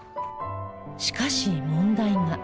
しかし問題が。